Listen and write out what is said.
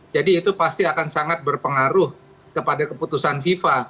jadi itu pasti akan sangat berpengaruh kepada keputusan viva